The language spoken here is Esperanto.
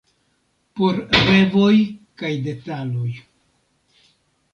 Por revoj kaj detaloj.